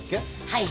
はい。